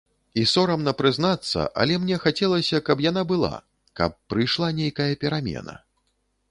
І сорамна прызнацца, але мне хацелася, каб яна была, каб прыйшла нейкая перамена.